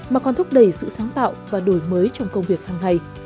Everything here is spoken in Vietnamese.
mà còn thúc đẩy sự sáng tạo và đổi mới trong công việc hàng ngày